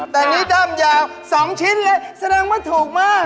แต่นี่ด้ามยาว๒ชิ้นเลยแสดงว่าถูกมาก